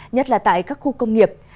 nhất là tại các khu công nghiệp